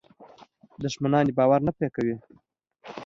دښمنان دې باور نه پرې کوي.